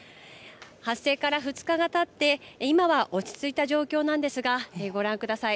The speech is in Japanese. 発生から２日がたって今は落ち着いた状況なんですがご覧ください。